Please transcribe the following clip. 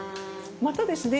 またですね